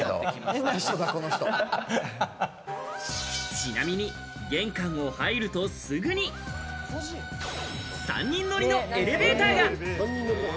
ちなみに玄関を入るとすぐに、３人乗りのエレベーターが。